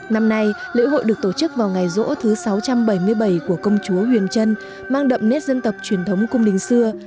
năm nay lễ hội được tổ chức vào ngày rỗ thứ sáu trăm bảy mươi bảy của công chúa huyền trân mang đậm nét dân tộc truyền thống cung đình xưa